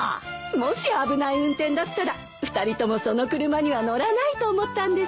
もし危ない運転だったら２人ともその車には乗らないと思ったんです。